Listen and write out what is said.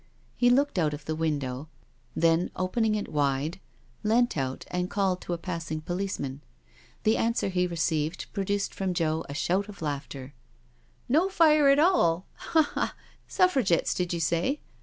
He looked out of the window, then opening it wide, leant out and called to a passing policeman. The answer he received produced from Joe a shout of laughter. I "No fire at all. •.• Ha, ha I Suffragettes did you say?